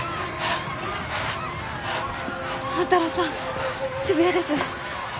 万太郎さん渋谷です。